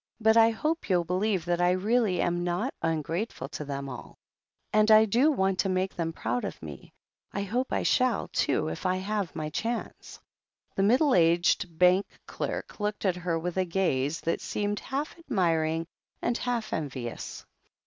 But I hope you'll believe that I really am not ungrateful to them all — ^and I do want to make them proud of me. I hope I shall, too, if I have my chance." The middle aged bank clerk looked at her with a gaze that seemed half admiring and half envious.